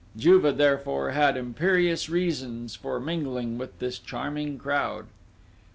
Juve, therefore, had imperious reasons for mingling with this charming crowd!...